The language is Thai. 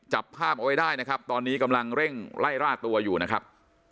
จับภาพเอาไว้ได้นะครับตอนนี้กำลังเร่งไล่ล่าตัวอยู่นะครับ